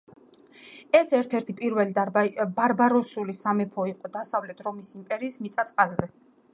ეს ერთ-ერთი პირველი ბარბაროსული სამეფო იყო დასავლეთ რომის იმპერიის მიწა-წყალზე.